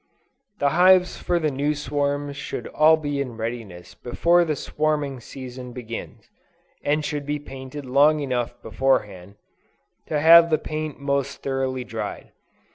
The hives for the new swarms should all be in readiness before the swarming season begins, and should be painted long enough beforehand, to have the paint most thoroughly dried.